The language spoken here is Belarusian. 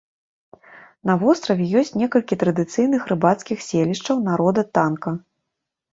На востраве ёсць некалькі традыцыйных рыбацкіх селішчаў народа танка.